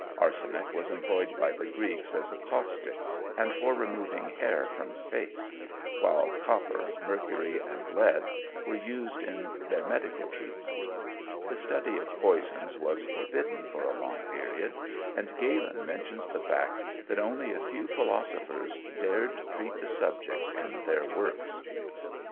Arsenic was employed by the Greeks as a caustic, and for removing hair from the face; while copper, mercury, and lead were used in their medical treatment. The study of poisons was forbidden for a long period, and Galen mentions the fact that only a few philosophers dared treat the subjects in their works.